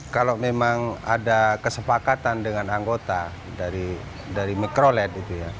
kalau memang ada kesepakatan dengan anggota dari mikroled